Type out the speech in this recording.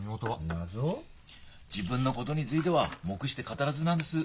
自分のことについては黙して語らずなんです。